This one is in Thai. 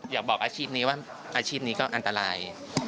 อยากบอกอาชีพนี้ว่าอาชีพนี้ก็อันตราย